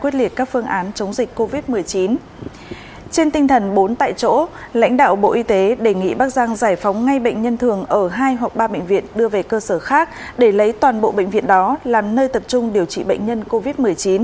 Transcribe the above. trên tinh thần bốn tại chỗ lãnh đạo bộ y tế đề nghị bắc giang giải phóng ngay bệnh nhân thường ở hai hoặc ba bệnh viện đưa về cơ sở khác để lấy toàn bộ bệnh viện đó làm nơi tập trung điều trị bệnh nhân covid một mươi chín